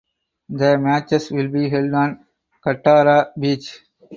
The matches will be held on Katara Beach.